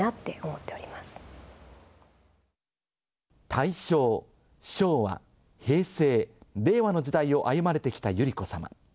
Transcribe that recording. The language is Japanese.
大正、昭和、平成、令和の時代を歩まれてきた百合子さま。